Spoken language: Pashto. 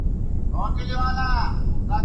پښتنو هم د خپل شاتګ پر حالت نیوکه وکړه او په